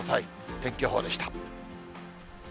天気予報でした。